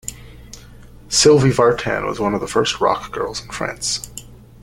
Sylvie Vartan was one of the first rock girls in France.